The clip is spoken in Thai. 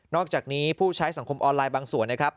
อกจากนี้ผู้ใช้สังคมออนไลน์บางส่วนนะครับ